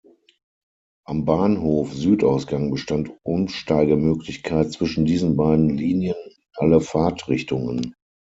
Am Bahnhof Südausgang bestand Umsteigemöglichkeit zwischen diesen beiden Linien in alle Fahrtrichtungen.